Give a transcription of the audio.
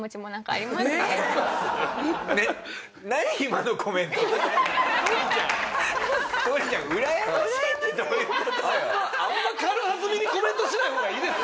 あんまあんま軽はずみにコメントしない方がいいですよ。